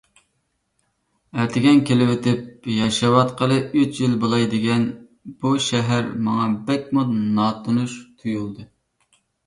ئەتىگەن كېلىۋېتىپ، ياشاۋاتقىلى ئۈچ يىل بولاي دېگەن بۇ شەھەر ماڭا بەكمۇ ناتونۇش تۇيۇلدى.